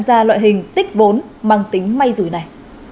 ra loại hình tích vốn mang tính may rủi này